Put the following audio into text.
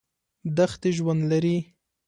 دښتې ژوند لري.